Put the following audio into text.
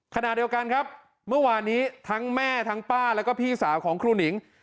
ขณะเดียวกันครับเมื่อวานนี้ทั้งแม่ทั้งป้าแล้วก็พี่สาวของครูหนิง